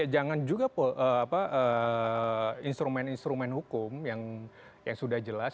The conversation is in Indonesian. jangan juga instrumen instrumen hukum yang sudah jelas